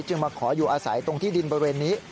มาขออยู่อาศัยตรงที่ดินบริเวณนี้